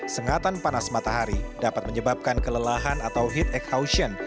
sengatan panas matahari dapat menyebabkan kelelahan atau heat exhaustion